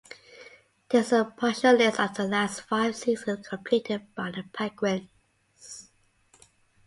This is a partial list of the last five seasons completed by the Penguins.